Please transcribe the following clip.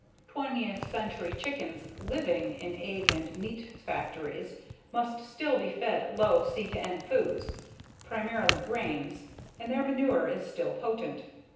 Twentieth century chickens "living" in egg and meat factories must still be fed low C/N foods, primarily grains, and their manure is still potent.